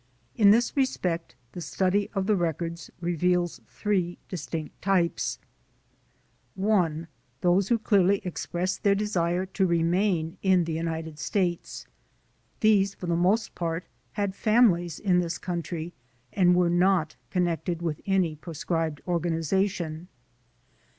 In this respect the study of the records reveals three distinct types : (1) Those who dearly expressed their desire to re main in the United States. These for the most part had families in this country and were not connected with any proscribed organization.